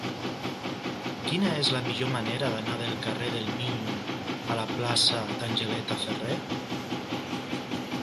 Quina és la millor manera d'anar del carrer del Miño a la plaça d'Angeleta Ferrer?